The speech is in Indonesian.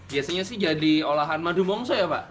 biasanya sih jadi olahan madu mongso ya pak